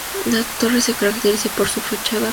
La torre es característica por su fachada retorcida.